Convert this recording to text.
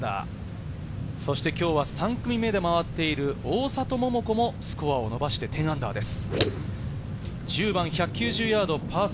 そして今日は３組目で回っている大里桃子もスコアを伸ばして−１０です。